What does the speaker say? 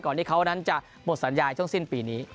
ที่เขานั้นจะหมดสัญญาช่วงสิ้นปีนี้